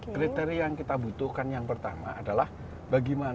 kriteria yang kita butuhkan yang pertama adalah bagaimana yang bisa menyumbangkan